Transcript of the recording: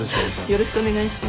よろしくお願いします。